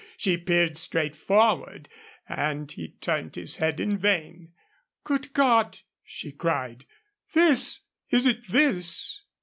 She peered straight forward and he turned his head in vain. "Good God!" she cried. "This! Is it this?"